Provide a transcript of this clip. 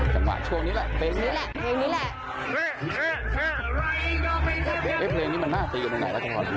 สังหวัดช่วงนี้แหละเพลงนี้แหละ